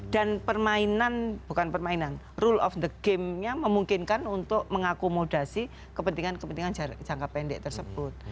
dan permainan bukan permainan rule of the game nya memungkinkan untuk mengakomodasi kepentingan kepentingan jarak pendek tersebut